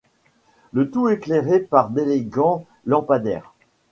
Le tout éclairé par d'élégants lampadaires.